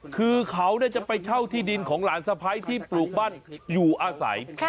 คือเขาจะไปเช่าที่ดินของหลานสะพ้ายที่ปลูกบ้านอยู่อาศัย